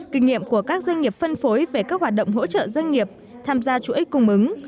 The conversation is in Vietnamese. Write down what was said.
kinh nghiệm của các doanh nghiệp phân phối về các hoạt động hỗ trợ doanh nghiệp tham gia chuỗi cung ứng